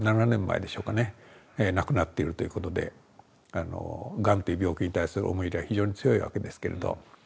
亡くなっているということでがんという病気に対する思い入れは非常に強いわけですけれど。